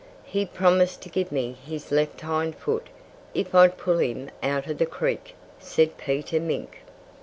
"He promised to give me his left hind foot, if I'd pull him out of the creek," said Peter Mink.